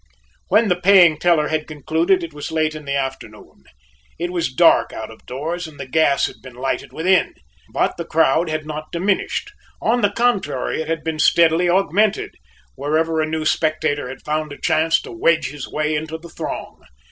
When the paying teller had concluded it was late in the afternoon. It was dark out of doors and the gas had been lighted within, but the crowd had not diminished; on the contrary, it had been steadily augmented wherever a new spectator had found a chance to wedge his way into the throng.